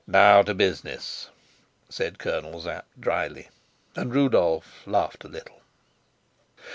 "Now to business," said Colonel Sapt dryly; and Rudolf laughed a little.